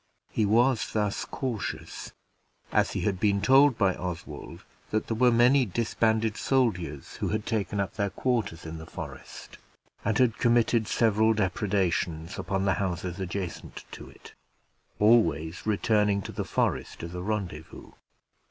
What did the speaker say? He was thus cautious, as he had been told by Oswald that there were many disbanded soldiers who had taken up their quarters in the forest, and had committed several depredations upon the houses adjacent to it, always returning to the forest as a rendezvous.